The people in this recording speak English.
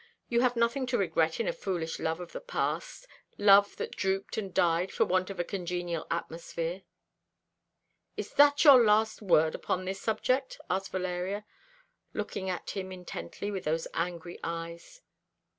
You can have nothing to regret in a foolish love of the past, love that drooped and died for want of a congenial atmosphere." "Is that your last word upon this subject?" asked Valeria, looking at him intently with those angry eyes.